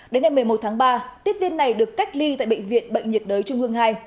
đến ngày một mươi một tháng ba tiếp viên này được cách ly tại bệnh viện bệnh nhiệt đới trung hương hai